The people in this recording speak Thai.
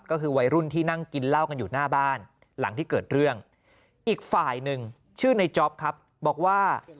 ก็คือวัยรุ่นที่นั่งกินเหล้ากันอยู่หน้าบ้านหลังที่เกิดเรื่องอีกฝ่ายหนึ่งชื่อในจ๊อปครับบอกว่า